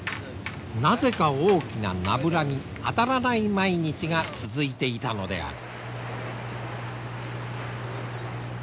なぜか大きなナブラに当たらない毎日が続いていたのである。